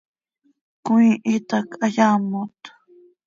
¡Cömiihit hac hayaamot!